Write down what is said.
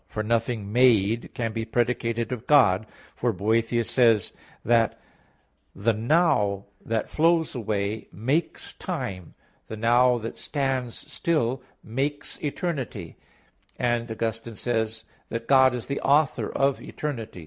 For nothing made can be predicated of God; for Boethius says (De Trin. iv) that, "The now that flows away makes time, the now that stands still makes eternity;" and Augustine says (Octog. Tri. Quaest. qu. 28) "that God is the author of eternity."